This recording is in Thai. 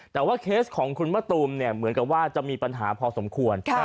แต่ว่าเคสของคุณมะตูมเนี่ยเหมือนกับว่าจะมีปัญหาพอสมควร